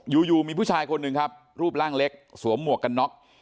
อยู่มีผู้ชายคนหนึ่งครับรูปร่างเล็กสวมหมวกกันน็อก